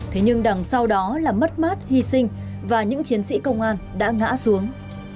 thế nhưng đằng sau đó là mất mát hy sinh và những chiến sĩ công an đã ngã xuống